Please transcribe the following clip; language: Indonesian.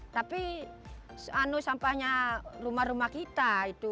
tapi sampahnya rumah rumah kita itu